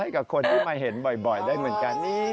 กับคนที่มาเห็นบ่อยได้เหมือนกัน